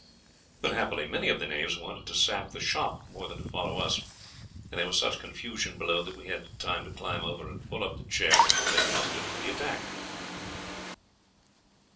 But happily many of the knaves wanted to sack the shop more than to follow us, and there was such confusion below, that we had time to climb over and pull up the chair before they had mustered to the attack."